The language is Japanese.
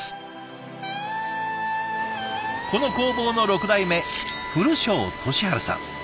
この工房の６代目古庄紀治さん。